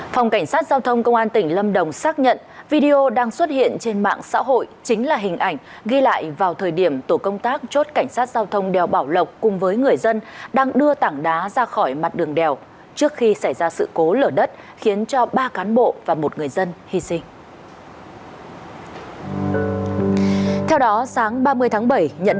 phòng cảnh sát giao thông công an tỉnh lâm đồng xác nhận video đang xuất hiện trên mạng xã hội chính là hình ảnh ghi lại vào thời điểm tổ công tác chốt cảnh sát giao thông đèo bảo lộc cùng với người dân đang đưa tảng đá ra khỏi mặt đường đèo trước khi xảy ra sự cố lở đất khiến cho ba cán bộ và một người dân hy sinh